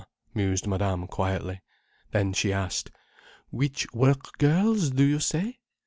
mused Madame quietly. Then she asked: "Which work girls do you say?"